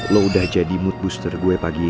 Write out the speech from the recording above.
lo udah jadi mood booster gue pagi ini